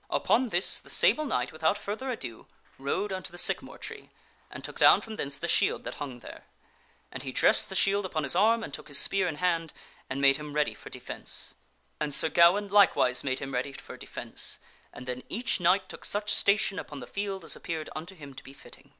Upon this the Sable Knight, without further ado, rode unto the sycamore tree, and took down from thence the shield that hung there. And he dressed the shield upon his artn and took his spear in Knight engage hand and made him ready for defence. And Sir Gawaine likewise made him ready for defence, and then each knight took such station upon the field as appeared unto him to be fitting.